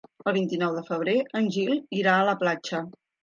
El vint-i-nou de febrer en Gil irà a la platja.